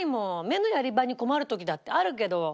目のやり場に困る時だってあるけど。